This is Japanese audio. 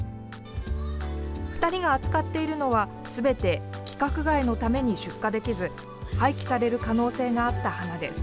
２人が扱っているのはすべて規格外のために出荷できず廃棄される可能性があった花です。